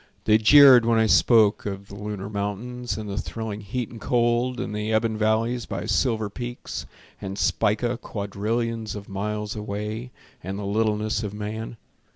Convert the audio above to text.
They jeered when I spoke of the lunar mountains, And the thrilling heat and cold, And the ebon valleys by silver peaks, And Spica quadrillions of miles away, And the littleness of man.